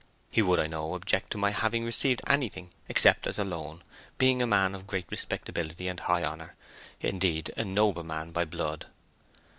He would, I know, object to my having received anything except as a loan, being a man of great respectability and high honour—indeed, a nobleman by blood.